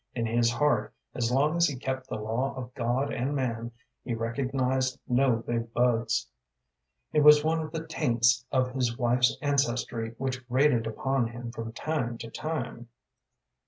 In his heart, as long as he kept the law of God and man, he recognized no "big bugs." It was one of the taints of his wife's ancestry which grated upon him from time to time.